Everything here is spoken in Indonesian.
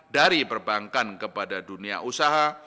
dari perbankan kepada dunia usaha